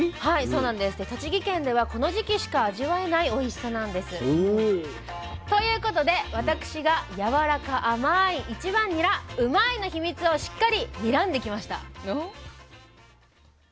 で栃木県ではこの時期しか味わえないおいしさなんです。ということで私がやわらか甘い１番ニラうまいの秘密をしっかり「ニラ」んできました。